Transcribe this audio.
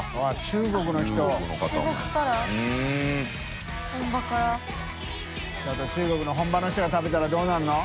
中国の本場の人が食べたらどうなるの？